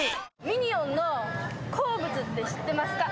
ミニオンの好物って知ってますか？